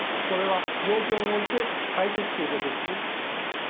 それは状況に応じて変えていくということですね。